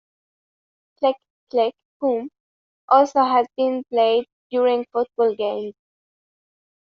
"Click Click Boom" also has been played during football games.